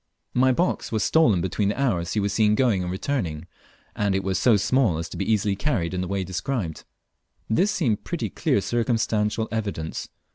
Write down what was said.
My box was stolen between the hours he was seen going and returning, and it was so small as to be easily carried in the way described. This seemed pretty clear circumstantial evidence.